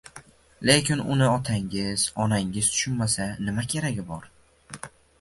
lekin uni otangiz, onangiz tushunmasa, nima keragi bor?